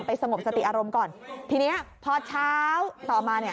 ไปสมบสติอารมณ์ก่อนตอนนี้พอเช้าต่อมา